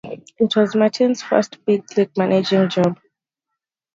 It was Martin's first big-league managing job.